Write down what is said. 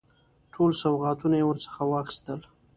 ټول سوغاتونه یې ورڅخه واخیستل.